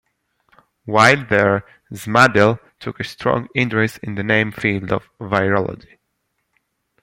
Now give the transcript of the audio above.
While there, Smadel took a strong interest in the new field of virology.